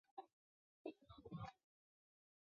由佐藤浩市领衔主演。